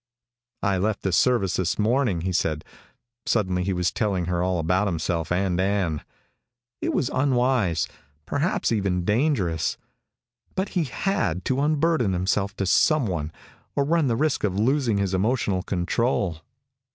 "I left the service this morning," he said. Suddenly he was telling her all about himself and Ann. It was unwise, perhaps even dangerous. But he had to unburden himself to someone or run the risk of losing his emotional control.